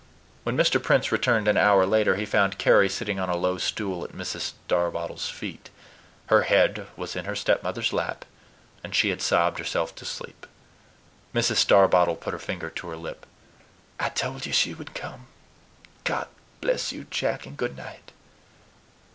When Mr. Prince returned an hour later, he found Carry sitting on a low stool at Mrs. Starbottle's feet. Her head was in her stepmother's lap, and she had sobbed herself to sleep. Mrs. Starbottle put her finger to her lip. "I told you she would come. God bless you, Jack! and good night."